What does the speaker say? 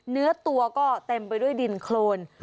เนื้อตัวก็เต็มไปด้วยดินโครน